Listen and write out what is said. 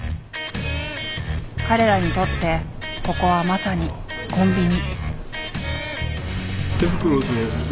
彼らにとってここはまさにコンビニ。